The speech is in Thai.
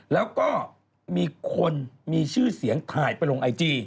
แล้วก็มีคนมีชื่อเสียงถ่ายไปลงไอจี